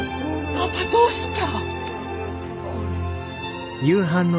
パパどうした！？